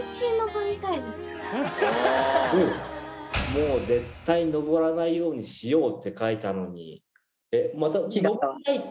「もうぜったいのぼらないようにしよう」って書いたのに。